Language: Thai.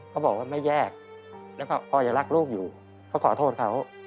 เขาบอกว่าไม่แยกแล้วก็พ่อยังรักลูกอยู่ก็ขอโทษเขา